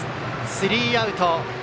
スリーアウト。